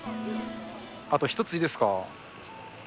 あと一ついいですか？